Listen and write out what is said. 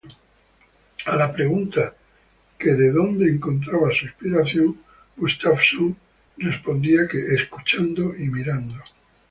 A la pregunta de dónde encontraba su inspiración, Gustafsson respondía que "escuchando y mirando".